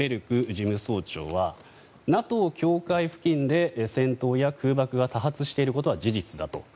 事務総長はＮＡＴＯ境界付近で戦闘や空爆が多発していることは事実だと。